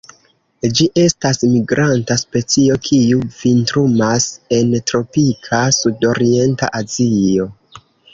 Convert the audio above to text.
Ĝi estas migranta specio, kiu vintrumas en tropika sudorienta Azio.